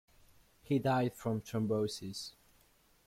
He died from thrombosis.